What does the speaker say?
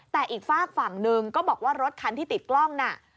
แต่อีกฝากฝั่งหนึ่งก็บอกว่ารถคันที่ติดกล้องน่ะ